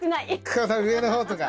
この上の方とか。